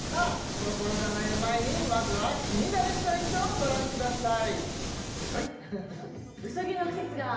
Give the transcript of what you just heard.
コロコロ占いの前にまずは「キニナルチョイス」をご覧ください